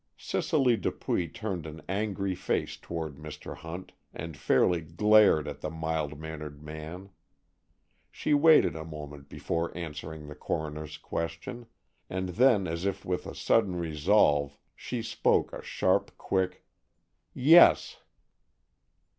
Cicely Dupuy turned an angry face toward Mr. Hunt and fairly glared at the mild mannered man. She waited a moment before answering the coroner's question, and then as if with a sudden resolve she spoke a sharp, quick "Yes."